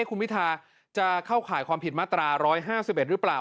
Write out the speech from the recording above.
คุณพิทาจะเข้าข่ายความผิดมาตรา๑๕๑หรือเปล่า